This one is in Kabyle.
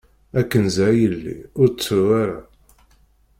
A Kenza a yelli ur ttru-ara.